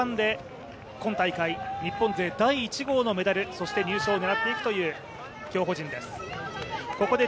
まさにチームジャパンで今大会日本勢第１号のメダルそして入賞を狙っていく競歩陣です。